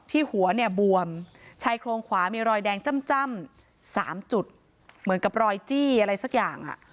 หัวเนี่ยบวมชายโครงขวามีรอยแดงจ้ำ๓จุดเหมือนกับรอยจี้อะไรสักอย่าง